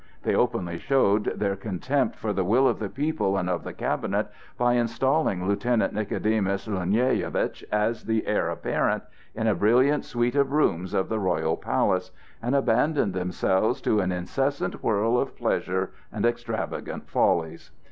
They openly showed their contempt for the will of the people and of the Cabinet by installing Lieutenant Nicodemus Lunyevitch as the heir apparent, in a brilliant suite of rooms of the royal palace, and abandoned themselves to an incessant whirl of pleasures and extravagant follies.